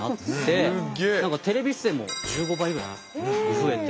テレビ出演も１５倍ぐらいに増えて。